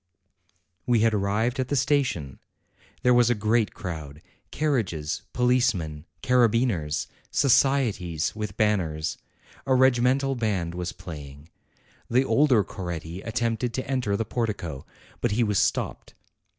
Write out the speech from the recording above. We had arrived at the station; there was a great crowd, carriages, policemen, carabineers, societies with banners. A regimental band was playing. The KING UMBERTO 207 elder Coretti attempted to enter the portico, but he was stopped.